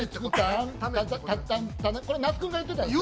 これ那須君が言ってたよね。